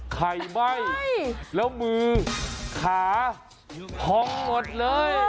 ไข่ไบ้แล้วมือขาพองหมดเลย